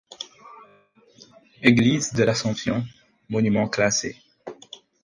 Église de l'Assomption, Monument classé.